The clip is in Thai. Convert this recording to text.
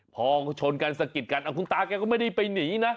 พอชนกันสะกิดกันคุณตาแกก็ไม่ได้ไปหนีนะ